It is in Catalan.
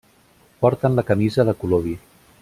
Porten la camisa de color vi.